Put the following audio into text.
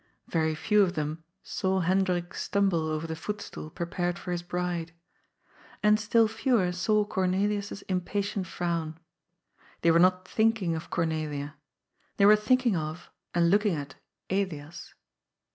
Very few of them saw Hendrik stumble over the footstool prepared for his bride. And still fewer saw Cor nelia's impatient frown. They were not thinking of Cor nelia. They were thinking of, and looking at, Elias.